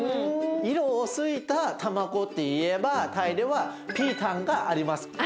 色ついた卵っていえばタイではピータンがあります。